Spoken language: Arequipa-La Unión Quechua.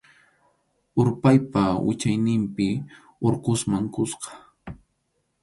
Urpaypa wichayninpi Urqusman kuska.